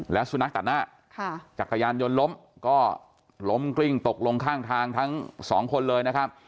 แล้วสุนัขตัดหน้าจักรยานยนต์ล้มก็ล้มกลิ้งตกลงข้างทางทั้งสองคนเลยนะครับ